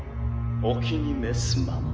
お気に召すまま。